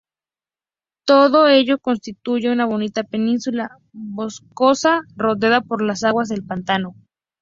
Todo ello constituye una bonita península boscosa rodeada por la aguas del pantano.